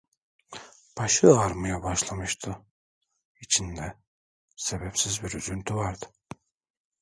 Başı ağrımaya başlamıştı, içinde sebepsiz bir üzüntü vardı.